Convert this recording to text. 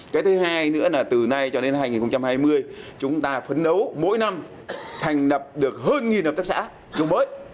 cái thứ hai nữa là từ nay cho đến hai nghìn hai mươi chúng ta phấn đấu mỗi năm thành đập được hơn một hợp tác xã trung mới